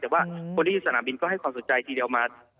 แต่ว่าคนที่อยู่สนามบินก็ให้ความสนใจทีเดียวมา